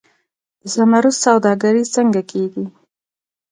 د زمرد سوداګري څنګه کیږي؟